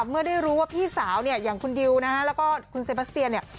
เมื่อได้รู้ว่าพี่สาวเนี่ยอย่างคุณดิวนะฮะแล้วก็คุณเซบาสเตียเนี่ย